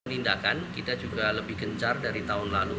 penindakan kita juga lebih gencar dari tahun lalu